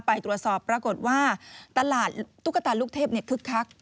ไปตรวจสอบปรากฏว่าตลาดตุ๊กตาลูกเทพคึกคัก